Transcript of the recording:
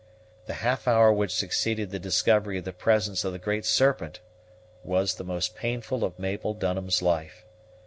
The half hour which succeeded the discovery of the presence of the Great Serpent was the most painful of Mabel Dunham's life.